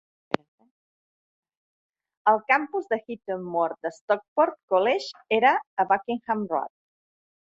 El campus de Heaton Moor de Stockport College era a Buckingham Road.